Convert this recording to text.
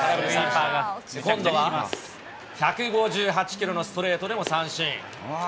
今度は１５８キロのストレートでも三振。